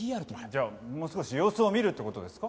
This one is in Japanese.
じゃあもう少し様子を見るって事ですか？